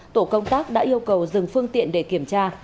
tổ công tác đã yêu cầu dừng phương tiện để kiểm tra